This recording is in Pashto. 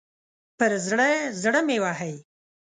پر زړه، زړه مې ووهئ